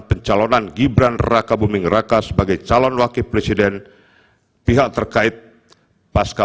pencalonan gibran raka buming raka sebagai calon wakil presiden pihak terkait pasca